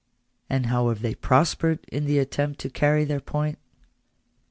And how have they prospered in the attempt to carry their point?